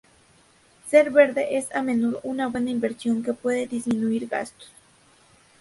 Ser verde es a menudo una buena inversión que puede disminuir gastos.